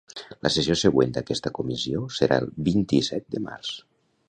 La sessió següent d'aquesta comissió serà el vint-i-set de març.